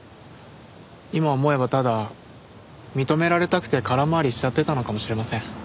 今思えばただ認められたくて空回りしちゃってたのかもしれません。